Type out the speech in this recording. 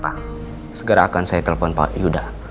baik pak segera akan saya telfon pak yuda